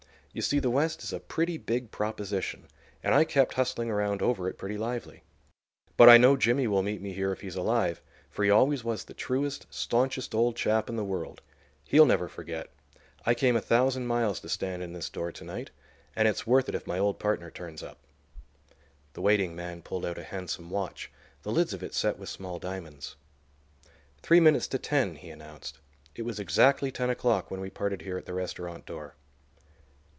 You see, the West is a pretty big proposition, and I kept hustling around over it pretty lively. But I know Jimmy will meet me here if he's alive, for he always was the truest, stanchest old chap in the world. He'll never forget. I came a thousand miles to stand in this door to night, and it's worth it if my old partner turns up." The waiting man pulled out a handsome watch, the lids of it set with small diamonds. "Three minutes to ten," he announced. "It was exactly ten o'clock when we parted here at the restaurant door."